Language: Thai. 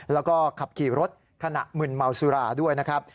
แล้วก็ขับขี่รถขณะมึนเมาสุราด้วยนะครับ